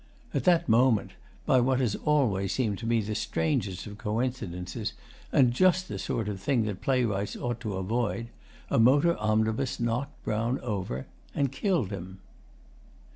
At that moment, by what has always seemed to me the strangest of coincidences, and just the sort of thing that playwrights ought to avoid, a motor omnibus knocked Brown over and killed him.